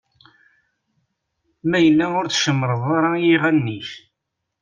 Ma yella ur tcemreḍ ara i yiɣalen-ik.